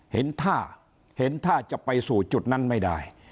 เห็นท่าจะไปสู่จุดนั้นไม่ได้